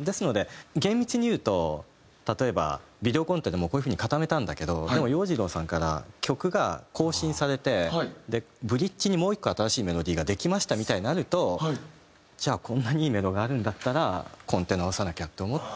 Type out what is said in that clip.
ですので厳密にいうと例えばビデオコンテでもうこういう風に固めたんだけどでも洋次郎さんから曲が更新されてブリッジにもう１個新しいメロディーができましたみたいになるとじゃあこんなにいいメロがあるんだったらコンテ直さなきゃって思って。